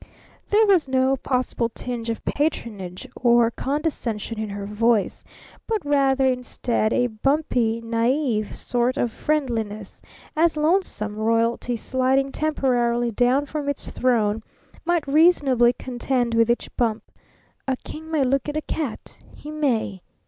There was no possible tinge of patronage or condescension in her voice, but rather, instead, a bumpy, naive sort of friendliness, as lonesome Royalty sliding temporarily down from its throne might reasonably contend with each bump, "A King may look at a cat! He may!